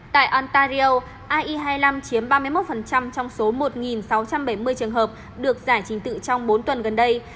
tại antario ai hai mươi năm chiếm ba mươi một trong số một sáu trăm bảy mươi trường hợp được giải trình tự trong bốn tuần gần đây